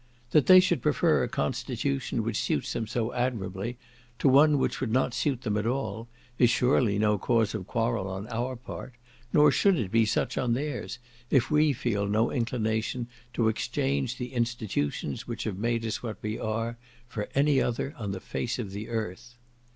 That they should prefer a constitution which suits them so admirably, to one which would not suit them at all, is surely no cause of quarrel on our part; nor should it be such on theirs, if we feel no inclination to exchange the institutions which have made us what we are, for any other on the face of the earth.